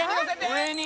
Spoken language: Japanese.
上に！」